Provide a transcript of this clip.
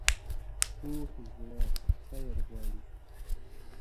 پوخ زړه خیر غواړي